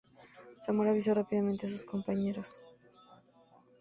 Zamora aviso rápidamente a sus compañeros.